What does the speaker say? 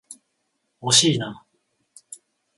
惜しいな。